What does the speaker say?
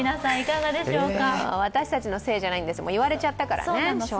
私たちのせいじゃないんです、もう言われちゃったから。